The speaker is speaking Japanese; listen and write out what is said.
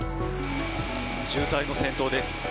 渋滞の先頭です。